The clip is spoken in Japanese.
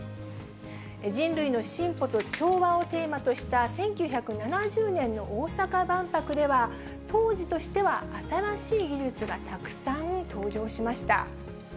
人類の進歩と調和をテーマとした、１９７０年の大阪万博では、当時としては新しい技術がたくさん登場しました。